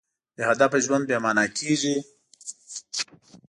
بېهدفه ژوند بېمانا کېږي.